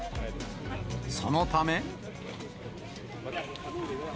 そのため。